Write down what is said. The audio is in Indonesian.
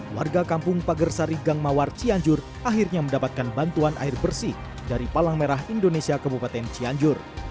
warga kampung pagersari gang mawar cianjur akhirnya mendapatkan bantuan air bersih dari palang merah indonesia kabupaten cianjur